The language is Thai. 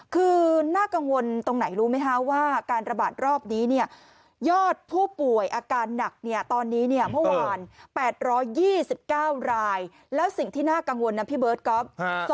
คือน่ากังวลตรงไหนรู้มั้ยคะว่าการระบาดรอบนี้แยอดผู้ป่วยอาการหนักตอนนี้เมื่อวาน๘๒๙รายและสิ่งที่น่ากังวลนะพี่เบอร์ดกรอฟ